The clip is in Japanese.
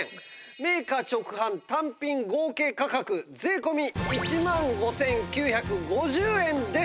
メーカー直販単品合計価格税込１万５９５０円です。